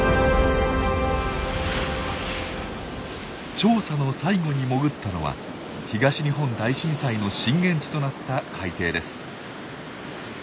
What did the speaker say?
調査の最後に潜ったのは東日本大震災の震源地となった海底です。